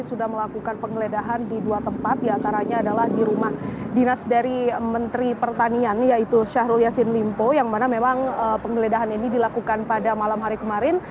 sudah melakukan penggeledahan di dua tempat diantaranya adalah di rumah dinas dari menteri pertanian yaitu syahrul yassin limpo yang mana memang penggeledahan ini dilakukan pada malam hari kemarin